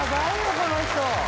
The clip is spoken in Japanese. この人